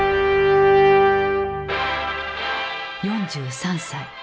４３歳。